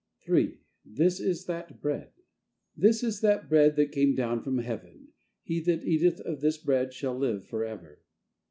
III. THIS IS THAT BREADThis is that Bread that came down from Heaven; he that eateth of this Bread shall live forever.